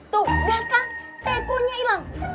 tau gak kan teko nya ilang